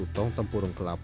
satu tong tempurung kelapa